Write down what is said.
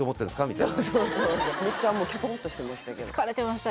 みたいなめっちゃキョトンとしてましたけど疲れてましたね